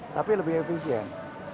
tapi lebih efisien